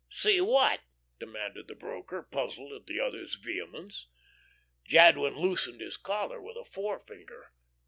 "See what?" demanded the broker, puzzled at the other's vehemence. Jadwin loosened his collar with a forefinger.